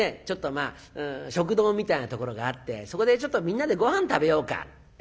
ちょっとまあ食堂みたいなところがあってそこで「みんなでごはん食べようか」。